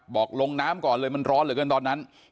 บอกลงน้ำก่อนเลยมันร้อนเหลือเกินตอนนั้น